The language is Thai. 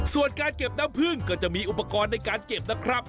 ส่วนการเก็บน้ำพึ่งก็จะมีอุปกรณ์ในการเก็บนะครับ